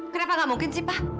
kenapa gak mungkin sih pak